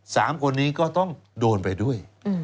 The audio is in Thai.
สามคนนี้ก็ต้องโดนไปด้วย